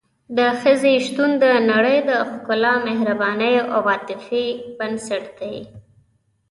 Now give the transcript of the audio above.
د ښځې شتون د نړۍ د ښکلا، مهربانۍ او عاطفې بنسټ دی.